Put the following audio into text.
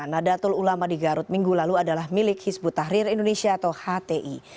nadatul ulama di garut minggu lalu adalah milik hizbut tahrir indonesia atau hti